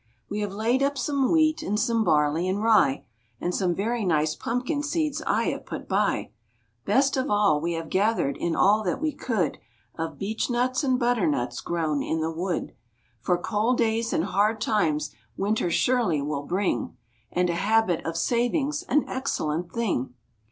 We have laid up some wheat and some barley and rye, And some very nice pumpkin seeds I have put by; Best of all, we have gathered, in all that we could Of beechnuts and butternuts grown in the wood; For cold days and hard times winter surely will bring, And a habit of saving's an excellent thing.